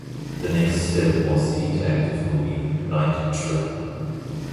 The next step was the interactive movie "Night Trap".